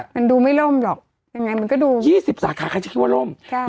มันดูไม่ล่มหรอกยังไงมันก็ดู๒๐สาขาใครจะคิดว่าร่ม